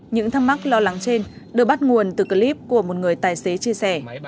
những thắc mắc lo lắng trên được bắt nguồn từ clip của một người tài xế chia sẻ